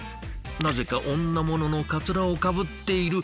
「なぜか女物のカツラをかぶっている」